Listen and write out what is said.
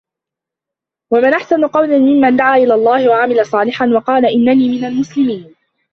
وَمَن أَحسَنُ قَولًا مِمَّن دَعا إِلَى اللَّهِ وَعَمِلَ صالِحًا وَقالَ إِنَّني مِنَ المُسلِمينَ